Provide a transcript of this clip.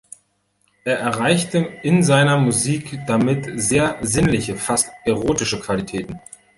Er erreichte in seiner Musik damit sehr sinnliche, fast erotische Qualitäten.